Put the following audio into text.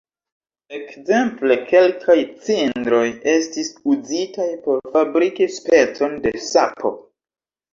Ekzemple kelkaj cindroj estis uzitaj por fabriki specon de sapo.